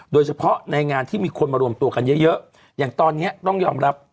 โดยเฉพาะในงานที่มีคนมารวมตัวกันเยอะเยอะอย่างตอนนี้ต้องยอมรับ